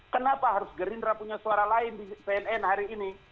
kenapa harus gerindra punya suara lain di cnn hari ini